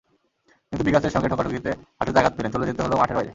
কিন্তু বিগাসের সঙ্গে ঠোকাঠুকিতে হাঁটুতে আঘাত পেলেন, চলে যেতে হলো মাঠের বাইরে।